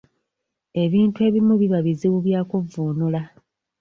Ebintu ebimu biba bizibu bya kuvvuunula.